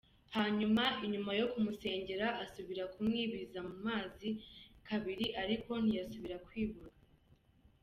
Hanyuma inyuma yo kumusengera asubira kumwibiza mu mazi ubwa kabiri, ariko ntiyasubira kwiburuka.